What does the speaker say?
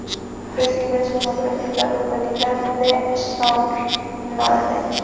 Reciben su nombre de la localidad de Solnhofen.